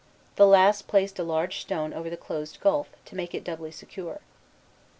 The last placed a large stone over the closed gulf, to make it doubly secure.